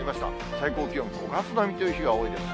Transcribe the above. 最高気温、５月並みという日が多いです。